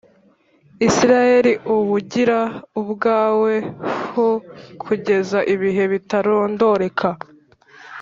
Isirayeli ubugira ubwawe h kugeza ibihe bitarondoreka